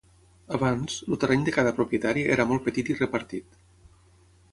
Abans, el terreny de cada propietari era molt petit i repartit.